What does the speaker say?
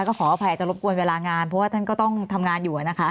ก็ขออภัยอาจจะรบกวนเวลางานเพราะว่าท่านก็ต้องทำงานอยู่นะคะ